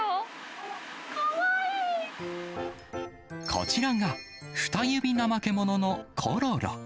こちらが、フタユビナマケモノのコロロ。